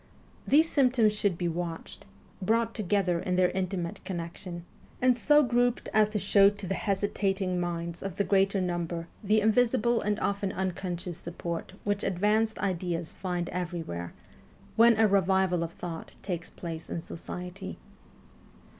These symptoms should be watched, brought together in their intimate connection, and so grouped as to show to the hesitating Q 2 228 MEMOIRS OF A REVOLUTIONIST minds of the greater number the invisible and often unconscious support which advanced ideas find every where, when a revival of thought takes place in society.